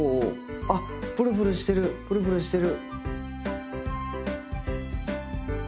あっプルプルしてるプルプルしてる。